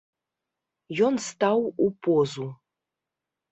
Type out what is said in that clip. Ён стаў у позу.